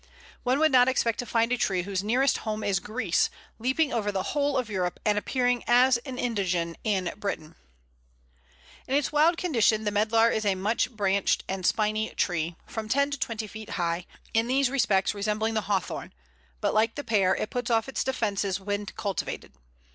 One would not expect to find a tree whose nearest home is Greece, leaping over the whole of Europe and appearing as an indigene in Britain. [Illustration: Medlar. A, flower.] In its wild condition the Medlar is a much branched and spiny tree, from ten to twenty feet high, in these respects resembling the Hawthorn; but, like the Pear, it puts off its defences when cultivated.